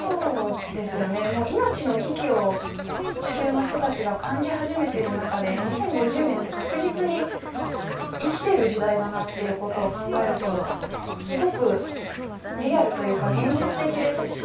もう命の危機を地球の人たちが感じ始めてる中で２０５０年って確実に生きている時代だなっていうことを考えると、すごくリアルというか現実的ですし。